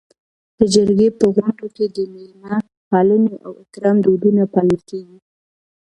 د جرګې په غونډو کي د میلمه پالنې او اکرام دودونه پالل کيږي.